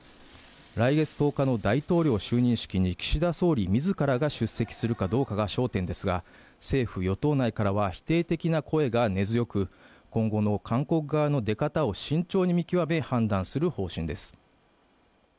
来月１０日の大統領就任式に岸田総理自らが出席するかどうかが焦点ですが政府与党内からは否定的な声が根強く今後の韓国側の出方を慎重に見極め判断する方針です